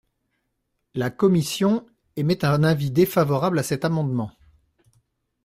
La commission émet un avis défavorable à cet amendement.